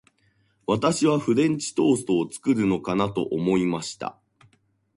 私はフレンチトーストを作るのかなと思いました。